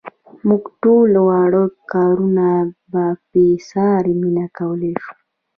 موږ ټول واړه کارونه په بې ساري مینه کولای شو.